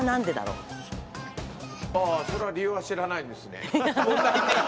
ああそれは理由は知らないんですね？